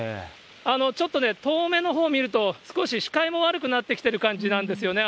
ちょっとね、遠めのほうを見ると、少し視界も悪くなってきてる感じなんですよね。